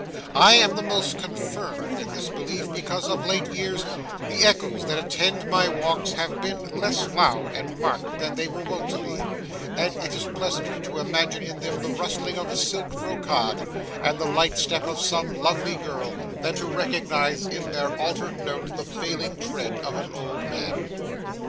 I am the more confirmed in this belief, because, of late years, the echoes that attend my walks have been less loud and marked than they were wont to be; and it is pleasanter to imagine in them the rustling of silk brocade, and the light step of some lovely girl, than to recognise in their altered note the failing tread of an old man.